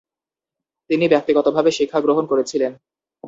তিনি ব্যক্তিগতভাবে শিক্ষা গ্রহণ করেছিলেন।